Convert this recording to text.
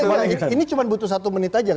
bukan soalnya ini cuma butuh satu menit saja